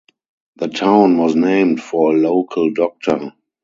The town was named for a local doctor.